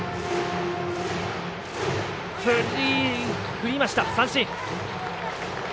振りました、三振！